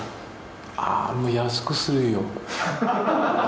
ああ、もう安くするよ。